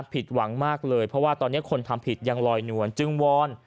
ผิดหวังมากเลยเพราะว่าตอนนี้คนทำผิดยังลอยนวลจึงวอน